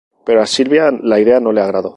Pero a Silva la idea no le agradó.